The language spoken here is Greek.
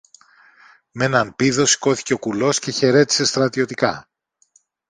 Μ' έναν πήδο σηκώθηκε ο κουλός και χαιρέτησε στρατιωτικά.